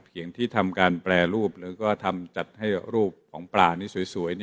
เพียงที่ทำการแปรรูปแล้วก็ทำจัดให้รูปของปลานี้สวย